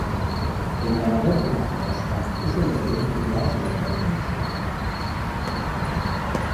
El ganador de la subasta es el oferente que hace la oferta más alta.